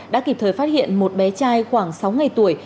đã kịp thời phát hiện một bé trai khoảng sáu ngày tuổi